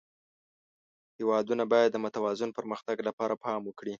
هېوادونه باید د متوازن پرمختګ لپاره پام وکړي.